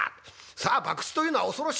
さあ博打というのは恐ろしいもんだ。